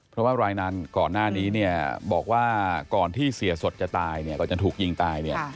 เพราะว่ารายนานก่อนหน้านี้บอกว่าก่อนที่เสียสดจะตายก่อนที่ถูกยิงตาย